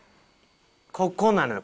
ここなのよ。